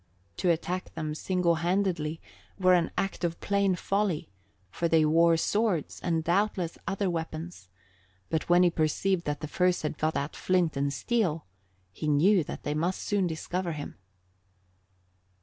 To attack them single handed were an act of plain folly, for they wore swords and doubtless other weapons; but when he perceived that the first had got out flint and steel, he knew that they must soon discover him.